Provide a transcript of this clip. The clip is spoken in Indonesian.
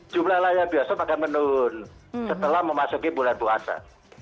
jumlah layar bioskop akan menurun setelah memasuki bulan puasa